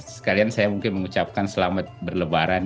sekalian saya mungkin mengucapkan selamat berlebaran